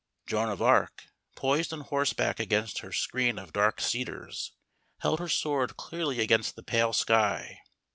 Joan of Arc, poised on horseback against her screen of dark cedars, held her sword clearly against the pale sky.